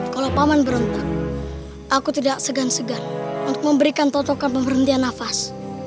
kalau paman berontak aku tidak segan segan untuk memberikan totokan pemberhentian nafas